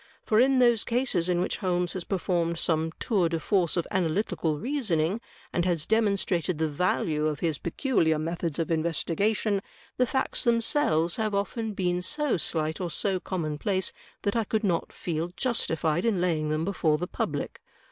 For in those cases in which Holmes has performed some tour de force of analytical reasoning, and has demonstrated the value of his peculiar methods of investigation, the facts themselves have often been so slight or so commonplace that I could not feel justified in laying them before the public.